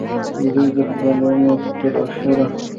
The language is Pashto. دوي د خپل عمر تر اخره